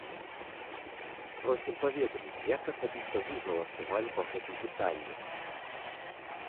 Просім паведаміць, як асабіста вы галасавалі па гэтым пытанні?